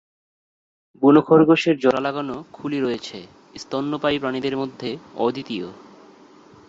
বুনো খরগোশের জোড়া লাগানো খুলি রয়েছে, স্তন্যপায়ী প্রাণীদের মধ্যে অদ্বিতীয়।